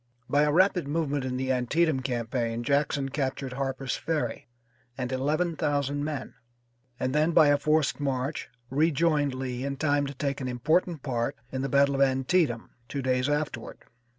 By a rapid movement in the Antietam campaign Jackson captured Harper's Ferry and eleven thousand men, and then, by a forced march, rejoined Lee in time to take an important part in the battle of Antietam two days afterward.